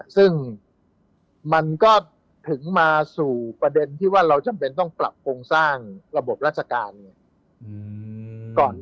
ซึ่งมันก็ถึงมาสู่ประเด็นที่ว่าเราจำเป็นต้องปรับโครงสร้างระบบราชการเนี่ย